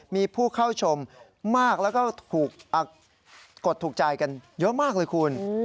มีผู้เข้าชมมากแล้วก็ถูกกดถูกใจกันเยอะมากเลยคุณ